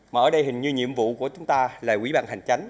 mà ở đây hình như nhiệm vụ của chúng ta là quỹ ban hành chánh